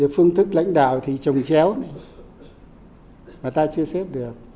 phương thức lãnh đạo thì trồng chéo này mà ta chưa xếp được